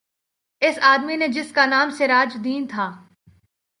اس آدمی نے جس کا نام سراج دین تھا